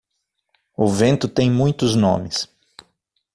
O vento tem muitos nomes.